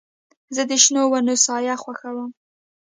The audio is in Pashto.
زه د شنو ونو سایه خوښوم.